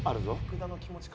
福田の気持ち。